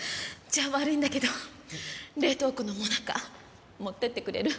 じゃあ悪いんだけど冷凍庫のモナカ持っていってくれる？